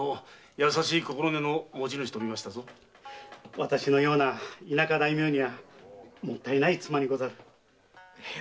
私のような田舎大名にはもったいない妻にござる。